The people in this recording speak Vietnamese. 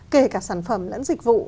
kể cả sản phẩm lẫn dịch vụ